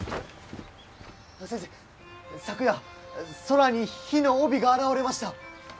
昨夜空に火の帯が現れました。